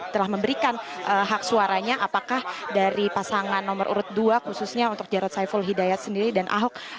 telah memberikan hak suaranya apakah dari pasangan nomor urut dua khususnya untuk jarod saiful hidayat sendiri dan ahok